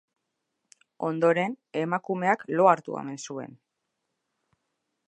Ondoren, emakumeak lo hartu omen zuen.